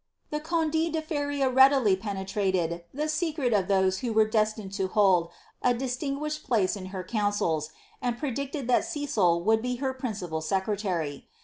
The conde de Feria readily penetrated the secret of those who were destined to hold a distinguished place in her councils, and predicted that Cecil would be her principal secretary.